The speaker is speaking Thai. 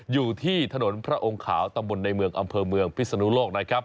อยู่ที่ถนนพระองค์ขาวตำบลในเมืองอำเภอเมืองพิศนุโลกนะครับ